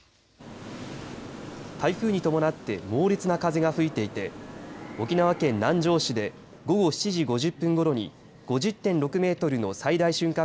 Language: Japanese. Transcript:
台風に伴って猛烈な風が吹いていて沖縄県南城市で午後７時５０分ごろに５０．６メートルの最大瞬間